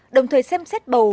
đồng thời xem xét bầu